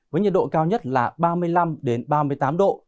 với nhiệt độ cao nhất là ba mươi năm ba mươi tám độ